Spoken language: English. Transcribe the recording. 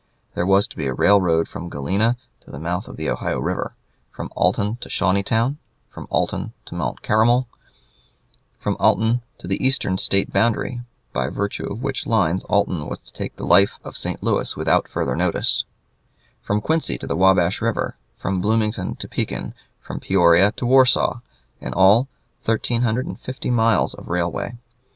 There was to be a rail road from Galena to the mouth of the Ohio River; from Alton to Shawneetown; from Alton to Mount Carmel; from Alton to the eastern State boundary by virtue of which lines Alton was to take the life of St. Louis without further notice; from Quincy to the Wabash River; from Bloomington to Pekin; from Peoria to Warsaw; in all, 1350 miles of railway.